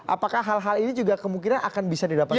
apakah hal hal ini juga kemungkinan akan bisa didapatkan